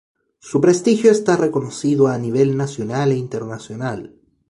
Su prestigio está reconocido a nivel nacional e internacional.